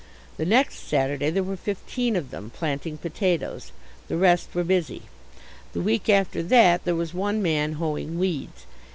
The next Saturday there were fifteen of them planting potatoes. The rest were busy. The week after that there was one man hoeing weeds.